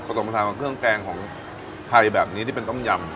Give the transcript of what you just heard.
ประสบความสามารถเครื่องแกงของไทยแบบนี้ที่เป็นต้มยำ